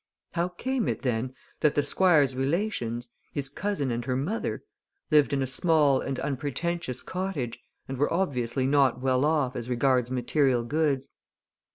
How came it, then, that the Squire's relations his cousin and her mother lived in a small and unpretentious cottage, and were obviously not well off as regards material goods?